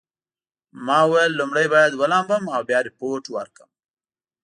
ما وویل لومړی باید ولامبم او بیا ریپورټ ورکړم.